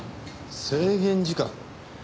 制限時間？